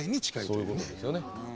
そういうことですよね。